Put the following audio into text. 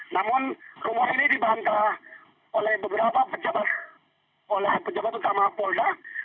namun rumor ini dibantah oleh beberapa pejabat utama polra